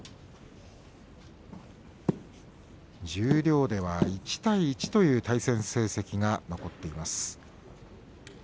十両では１対１という対戦成績が残っています。